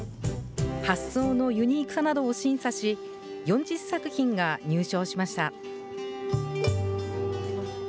発想のユニークさなどを審査し、４０作品が入賞しました。